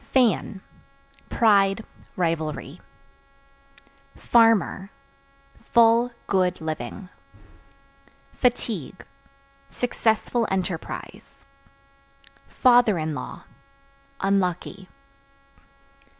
Fan Pride, rivalry. Farmer Full, good living. Fatigue Successful enterprise. Father in Law Unlucky.